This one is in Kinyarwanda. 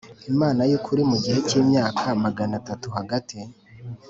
Imana yukuri mu gihe cy imyaka magana atatu Hagati